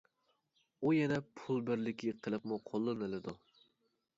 ئۇ يەنە پۇل بىرلىكى قىلىپمۇ قوللىنىلىدۇ.